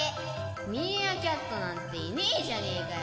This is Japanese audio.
・ミーアキャットなんていねえじゃねえかよ。